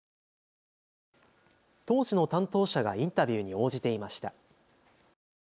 当時の担当者がインタビューに応じていました。